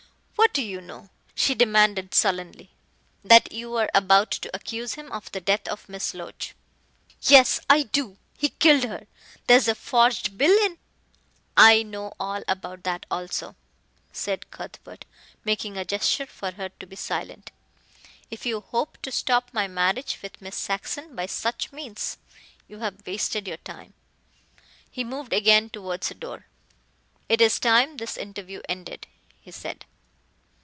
"What do you know?" she demanded sullenly. "That you are about to accuse him of the death of Miss Loach." "Yes, I do. He killed her. There is a forged bill in " "I know all about that also," said Cuthbert, making a gesture for her to be silent. "If you hope to stop my marriage with Miss Saxon by such means, you have wasted your time," he moved again towards the door. "It is time this interview ended," he said.